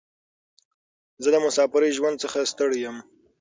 زه د مساپرۍ ژوند څخه ستړی یم.